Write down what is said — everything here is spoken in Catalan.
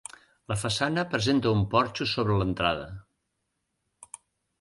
La façana presenta un porxo sobre l'entrada.